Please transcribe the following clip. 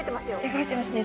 動いてますね。